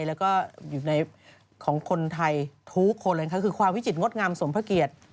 แล้วก็อยู่ในของคนไทยทุกคนเลยค่ะคือความวิจิตรงดงามสมพระเกียรติ